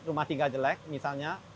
rumah tinggal jelek misalnya